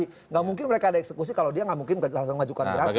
tidak mungkin mereka ada eksekusi kalau dia nggak mungkin langsung mengajukan gerasi